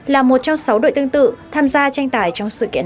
là một trong sáu đội tương tự tham gia tranh tài trong sự kiện này